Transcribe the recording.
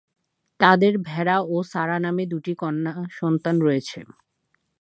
তাদের ভেরা ও সারা নামে দুটি কন্যা সন্তান রয়েছে।